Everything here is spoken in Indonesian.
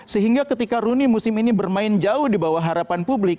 sehingga ketika rooney musim ini bermain jauh di bawah harapan publik